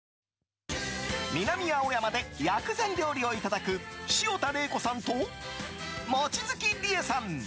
南青山で薬膳料理をいただく潮田玲子さんと望月理恵さん。